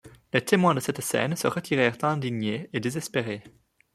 Les témoins de cette scène se retirèrent indignés et désespérés.